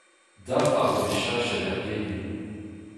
Dafar zo bet cheñchet er gegin.